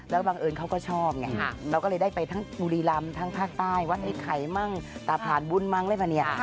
แล้วบังเอิญเขาก็ชอบไงเราก็เลยได้ไปทั้งบุรีรำทั้งภาคใต้วัดไอ้ไข่มั่งตาผ่านบุญมั้งอะไรป่ะเนี่ย